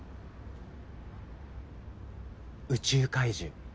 宇宙怪獣。